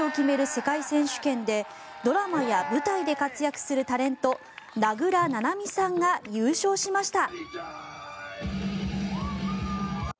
世界選手権でドラマや舞台で活躍するタレント名倉七海さんが優勝しました。